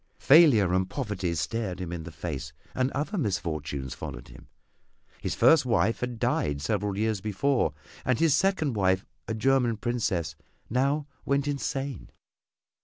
Failure and poverty stared him in the face, and other misfortunes followed him. His first wife had died several years before, and his second wife, a German princess, now went insane.